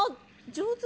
上手！